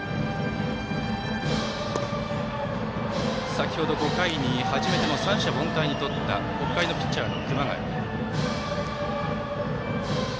先ほど５回に初めての三者凡退にとった北海のピッチャーの熊谷。